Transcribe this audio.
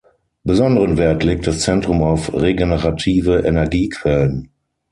Besonderen Wert legt das Zentrum auf regenerative Energiequellen.